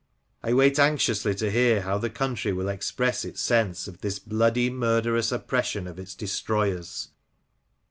I wait anxiously to hear how the country will express its sense of this bloody, murderous oppression of its destroyers.